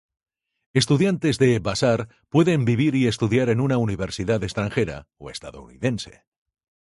Estudiantes de Vassar pueden vivir y estudiar en una universidad extranjera o estadounidense.